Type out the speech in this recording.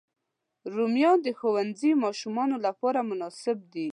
رومیان د ښوونځي ماشومانو لپاره مناسب دي